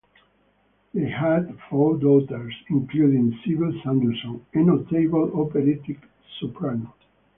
They had four daughters, including Sibyl Sanderson, a notable operatic soprano.